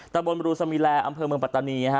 ตะบนบรูสมิแลอำเภอเมืองปัตตานี